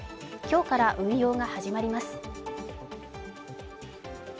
今日から運用が始まります。